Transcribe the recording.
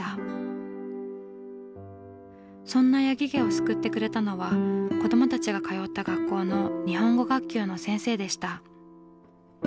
そんな八木家を救ってくれたのは子どもたちが通った学校の日本語学級の先生でした。